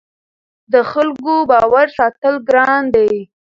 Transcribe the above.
د خلکو باور ساتل ګران دي